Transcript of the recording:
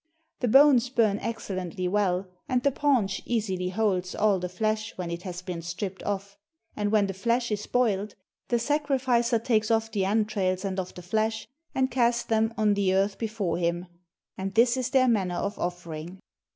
The bones burn excellently well, and the paunch easily holds all the flesh when it has been stripped off. And when the flesh is boiled, the sacrificer takes of the entrails and of the flesh and casts them on the earth before him; and this is their manner of offering.